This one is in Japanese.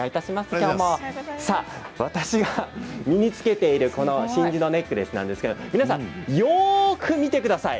私が身に着けているこの真珠のネックレスなんですけれど皆さんよく見てください。